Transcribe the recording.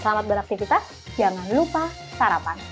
selamat beraktivitas jangan lupa sarapan